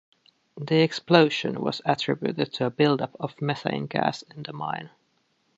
The explosion was attributed to a build-up of methane gas in the mine.